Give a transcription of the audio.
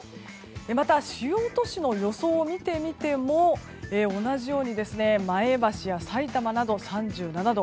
また、主要都市の予想を見てみても同じように前橋やさいたまなど３７度。